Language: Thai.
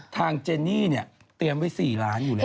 เจนี่เนี่ยเตรียมไว้๔ล้านอยู่แล้ว